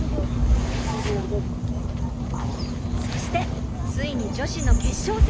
そしてついに女子の決勝戦！